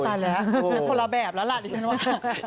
แล้วคนละแบบแล้วล่ะดิฉันว่า